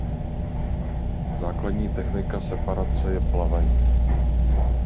Základní technika separace je plavení.